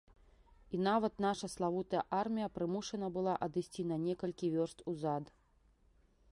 І нават наша славутая армія прымушана была адысці на некалькі вёрст узад.